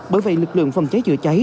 bởi vậy lực lượng phòng trái chữa trái